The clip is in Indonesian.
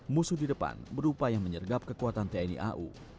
musuh di depan berupa yang menyergap kekuatan tni au